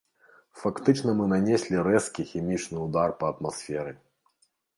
Фактычна мы нанеслі рэзкі хімічны ўдар па атмасферы.